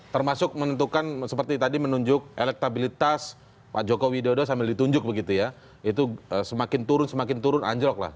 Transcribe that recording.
termasuk menentukan seperti tadi menunjuk elektabilitas pak joko widodo sambil ditunjuk begitu ya itu semakin turun semakin turun anjlok lah